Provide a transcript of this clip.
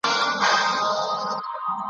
عمر دي تیر سو ننګیالیه که دي خوب لیدلئ